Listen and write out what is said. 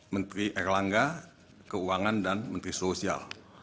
menteri erlangga keuangan dan menteri sosial